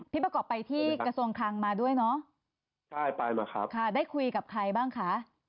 ประกอบไปที่กระทรวงคลังมาด้วยเนอะใช่ไปเหรอครับค่ะได้คุยกับใครบ้างคะ